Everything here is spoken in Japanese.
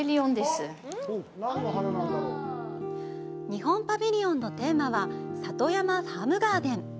日本パビリオンのテーマは里山ファームガーデン。